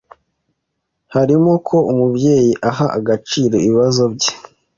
harimo ko umubyeyi aha agaciro ibibazo bye